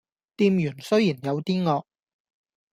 店員雖然有啲惡